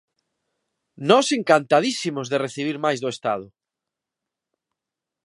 ¡Nós encantadísimos de recibir máis do Estado!